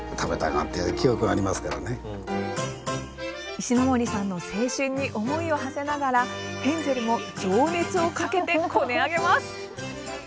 石ノ森さんの青春に思いをはせながらヘンゼルも情熱をかけてこね上げます！